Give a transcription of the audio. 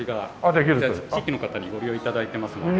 地域の方にご利用頂いてますので。